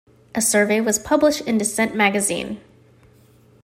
A survey was published in Descent magazine.